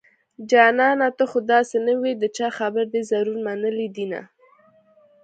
جانانه ته خو داسې نه وي د چا خبرې دې ضرور منلي دينه